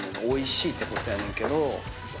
おいしいってことやねんけど。